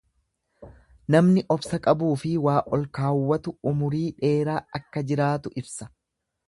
Namni obsa qabuufi waa ol kaawwatu umrii dheeraa akka jiraatu ibsa.